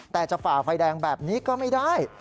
แต่จะฝ่าไฟแดงแบบนี้ก็ไม่ได้